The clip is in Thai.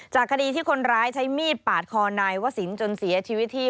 คดีที่คนร้ายใช้มีดปาดคอนายวศิลป์จนเสียชีวิตที่